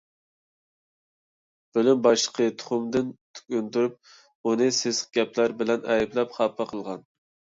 بۆلۈم باشلىقى تۇخۇمدىن تۈك ئۈندۈرۈپ، ئۇنى سېسىق گەپلەر بىلەن ئەيىبلەپ خاپا قىلغان.